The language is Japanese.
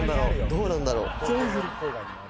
どうなんだろう？